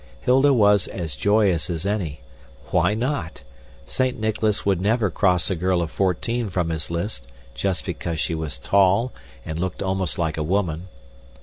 Hilda was as joyous as any. Why not? Saint Nicholas would never cross a girl of fourteen from his list, just because she was tall and looked almost like a woman.